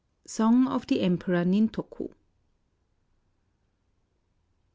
Song of the Emperor Nintoku.